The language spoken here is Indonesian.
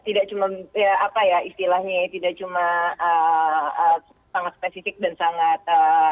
tidak cuma apa ya istilahnya ya tidak cuma sangat spesifik dan sangat